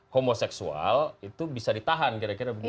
homoseksual itu bisa ditahan kira kira begitu